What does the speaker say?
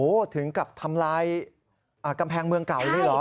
ถึงกับทำลายกำแพงเมืองเก่าเลยเหรอ